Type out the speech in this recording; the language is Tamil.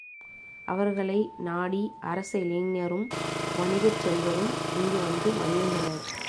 அவர்களை நாடி அரச இளைஞரும், வணிகச் செல்வரும் இங்கு வந்து மகிழ்ந்தனர்.